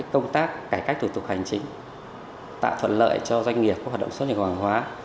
công tác cải cách thủ tục hành chính tạo thuận lợi cho doanh nghiệp có hoạt động xuất nhập hàng hóa